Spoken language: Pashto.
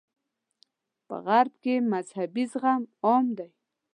په غرب کې مذهبي زغم عام دی.